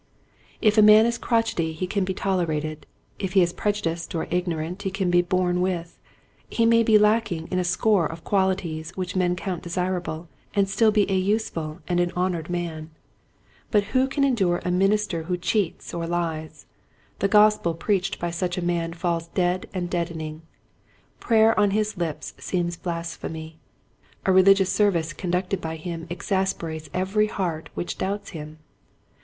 If a man is crotchety he can be tolerated ; if he is prejudiced or ignorant he can be borne with ; he may be lacking in a score of qualities which men count desirable and still be a useful and an honored man. But no Quiet Hints to Growing Preachers, who can endure a minister who cheats or lies ? The gospel preached by such a man falls dead and deadening. Prayer on his lips seems blasphemy. A religious service conducted by him exasperates every heart which doubts him.